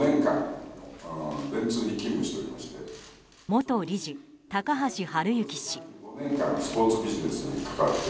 元理事・高橋治之氏。